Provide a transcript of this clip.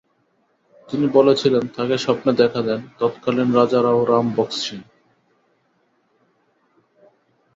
তিনি বলেছিলেন, তাঁকে স্বপ্নে দেখা দেন তত্কালীন রাজা রাও রাম বক্স সিং।